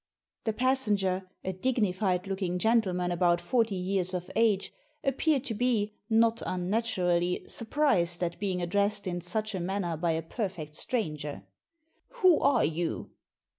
The passenger, a dignified looking gentleman about forty years of age, appeared to be, not imnaturally, surprised at being addressed in such a manner by a perfect stranger. "Who are you?"